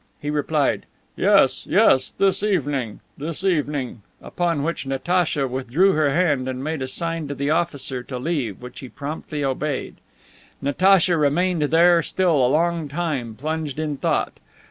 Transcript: He replied, "Yes, yes. This evening! This evening!" upon which Natacha withdrew her hand and made a sign to the officer to leave, which he promptly obeyed. Natacha remained there still a long time, plunged in thought.